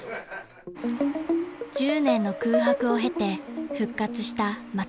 ［１０年の空白を経て復活した松本ハウス］